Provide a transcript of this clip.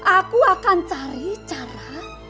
aku akan cari cara